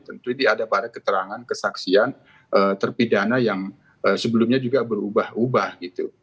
tentu ini ada pada keterangan kesaksian terpidana yang sebelumnya juga berubah ubah gitu